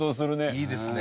いいですね。